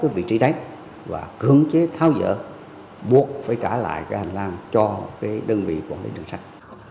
vị trí đấy và cưỡng chế thao dỡ buộc phải trả lại cái hành lang cho cái đơn vị quản lý đường sắt